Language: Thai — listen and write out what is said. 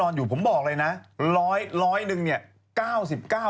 พี่ชอบแซงไหลทางอะเนาะ